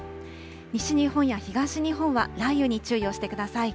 西日本や東日本は雷雨に注意をしてください。